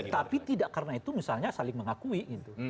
tapi tidak karena itu misalnya saling mengakui gitu